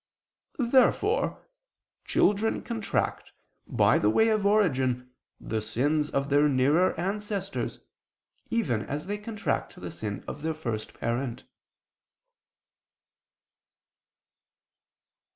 Therefore children contract, by the way of origin, the sins of their nearer ancestors, even as they contract the sin of their first parent.